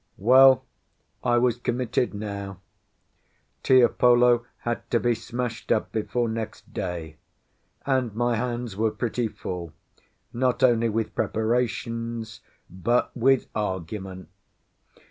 Well, I was committed now; Tiapolo had to be smashed up before next day, and my hands were pretty full, not only with preparations, but with argument.